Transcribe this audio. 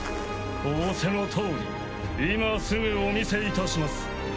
おおせのとおり今すぐお見せいたします。